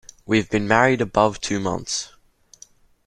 We have been married above two months.